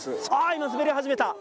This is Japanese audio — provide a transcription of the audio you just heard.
今滑り始めた！